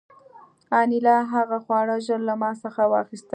انیلا هغه خواړه ژر له ما څخه واخیستل